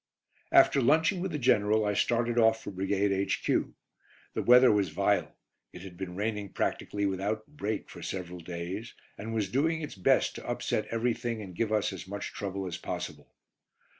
After lunching with the General I started off for Brigade H.Q. The weather was vile. It had been raining practically without break for several days, and was doing its best to upset everything and give us as much trouble as possible.